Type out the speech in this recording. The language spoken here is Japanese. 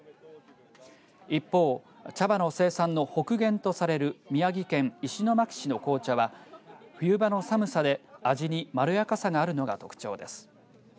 一方、茶葉の生産の北限とされる宮城県石巻市の紅茶は冬場の寒さで味にまろやかさがあるのが特徴です。